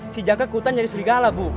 si jaka ke hutan jadi serigala bu